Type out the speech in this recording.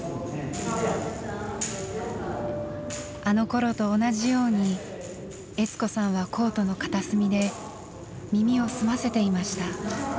あのころと同じように悦子さんはコートの片隅で耳を澄ませていました。